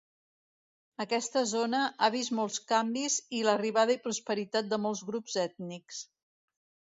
Aquesta zona ha vist molts canvis i l'arribada i prosperitat de molts grups ètnics.